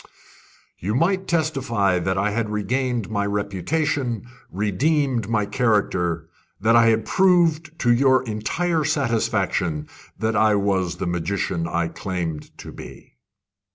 "You might testify that I had regained my reputation, redeemed my character that I had proved to your entire satisfaction that I was the magician I claimed to be."